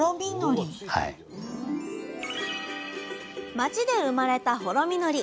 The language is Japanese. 町で生まれた「ほろみのり」。